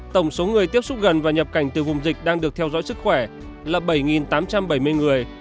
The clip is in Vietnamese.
tổng số người tiếp xúc gần và nhập cảnh từ vùng dịch đang được theo dõi sức khỏe là bảy tám trăm bảy mươi người